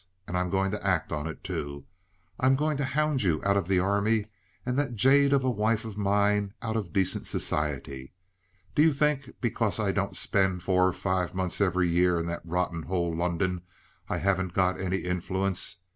And I'm going to act on it, too. I'm going to hound you out of the Army and that jade of a wife of mine out of decent society. Do you think, because I don't spend four or five months every year in that rotten hole, London, I haven't got any influence?